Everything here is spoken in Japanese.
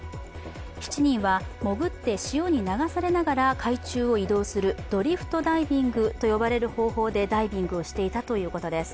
７人は潜って潮に流されながら海中を移動するドリフトダイビングと呼ばれる方法でダイビングをしていたということです。